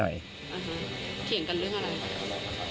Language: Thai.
เถียงกันเรื่องอะไร